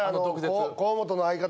河本の相方。